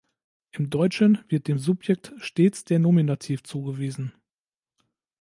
Im Deutschen wird dem Subjekt stets der Nominativ zugewiesen.